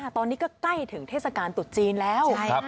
ตอนนี้ก็ใกล้ถึงเทศกาลตุดจีนแล้ว